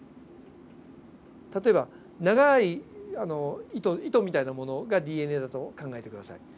例えば長い糸みたいなものがＤＮＡだと考えて下さい。